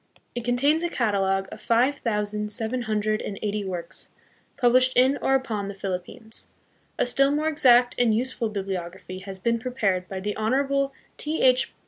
It contains a catalogue of five thousand seven hundred and eighty works, published in or upon the Philippines. A still more exact and useful bibliography has been prepared by the Honorable T. H.